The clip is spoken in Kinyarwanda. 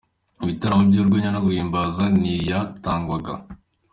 Mu bitaramo by’urwenya no guhimbaza ntiyatangwaga.